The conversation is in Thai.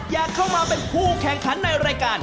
อยากเข้ามาเป็นผู้แข่งขันในรายการ